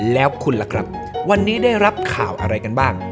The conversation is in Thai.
แล้วคุณล่ะครับวันนี้ได้รับข่าวอะไรกันบ้าง